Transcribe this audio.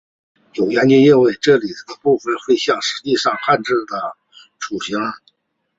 有研究认为这里的部分绘像实际上是汉字的雏形。